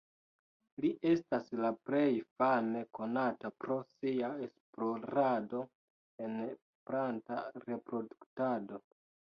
Li estas la plej fame konata pro sia esplorado en planta reproduktado.